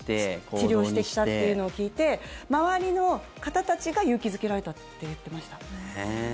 治療してきたというのを聞いて周りの方たちが勇気付けられたと言ってました。